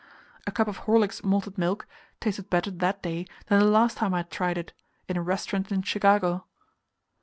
A cup of Horlick's Malted Milk tasted better that day than the last time I had tried it in a restaurant in Chicago.